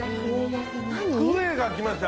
クエが来ました。